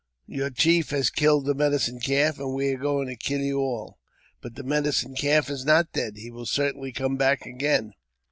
Your chief has killed the Medicine Calf, and we are going to kill you all." " But the Medicine Calf is not dead ; he will certainly come back again."